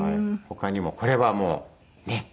他にもこれはもうねっ？